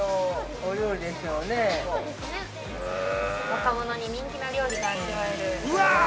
若者に人気な料理が味わえる。